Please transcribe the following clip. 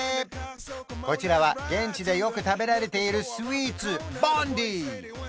こちらは現地でよく食べられているスイーツボンディ